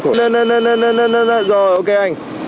nên nên nên rồi ok anh